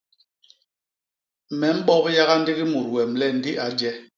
Me mbop yaga ndigi mut wem le ndi a je.